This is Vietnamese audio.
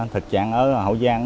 thực trạng ở hậu giang